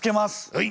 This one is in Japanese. はい。